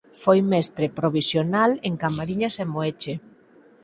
Foi mestre provisional en Camariñas e Moeche.